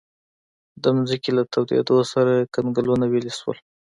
د ځمکې له تودېدو سره کنګلونه ویلې شول.